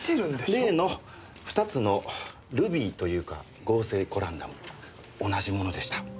例の２つのルビーというか合成コランダム同じものでした。